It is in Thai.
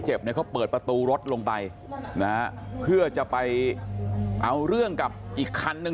เนี่ยเขาเปิดประตูรถลงไปนะฮะเพื่อจะไปเอาเรื่องกับอีกคันนึง